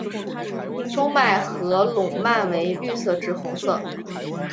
中脉和笼蔓为绿色至红色。